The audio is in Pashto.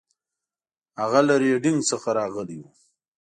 هغه له ریډینګ څخه راغلی و.